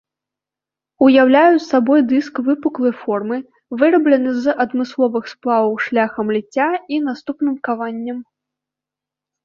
Уяўляюць сабой дыск выпуклай формы, выраблены з адмысловых сплаваў шляхам ліцця і наступным каваннем.